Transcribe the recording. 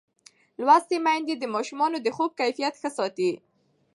لوستې میندې د ماشومانو د خوب کیفیت ښه ساتي.